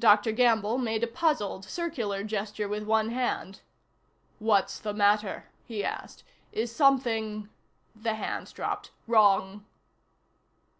Dr. Gamble made a puzzled, circular gesture with one hand. "What's the matter?" he asked. "Is something " The hand dropped "wrong?"